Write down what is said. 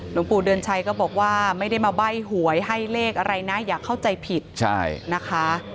หลวงปู่เดือนชัยก็บอกว่าไม่ได้มาใบ้หวยให้เลขอะไรนะอย่าเข้าใจผิดนะคะ